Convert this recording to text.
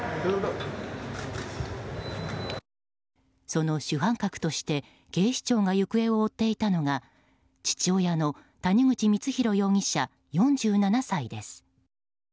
その主犯格として警視庁が行方を追っていたのが父親の谷口光弘容疑者、４７歳です。